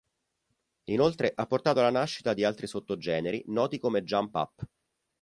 Inoltre, ha portato alla nascita di altri sottogeneri noti come jump-up.